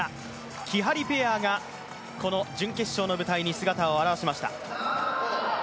きはりペアがこの準決勝の舞台に姿を現しました。